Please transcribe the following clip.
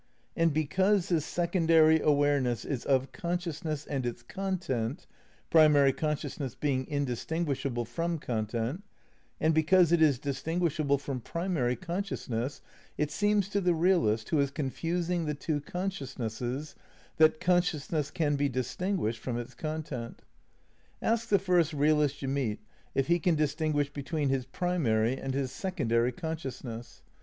And because this secondary awareness is of consciousness and its content (primary consciousness being indistinguishable from content), and because it is distinguishable from primary consciousness, it seems to the realist, who is confusing the two consciousnesses, that consciousness can be distinguished from its content. Ask the first realist you meet if he can distinguish between his pri mary and his secondary consciousness.